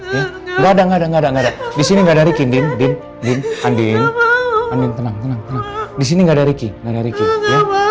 ya ada ada disini enggak dari kindin andien andien tenang tenang disini enggak dari kira kira